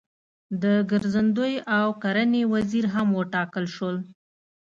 د ګرځندوی او کرنې وزیر هم وټاکل شول.